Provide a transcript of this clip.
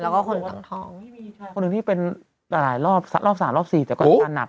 อ้อคือคนที่ที่เป็นรอบสักรอบ๓รอบ๔แต่ก็ต้นต่างนัก